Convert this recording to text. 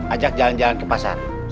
ajak jalan jalan ke pasar